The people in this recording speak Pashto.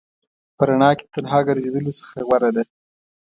په رڼا کې د تنها ګرځېدلو څخه غوره ده.